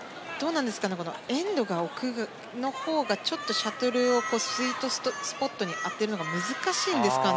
エンドが奥のほうがシャトルをスイートスポットに当てるのが難しいんですかね。